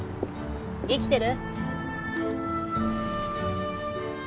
生きてる？